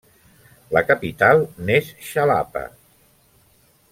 La capital n'és Xalapa.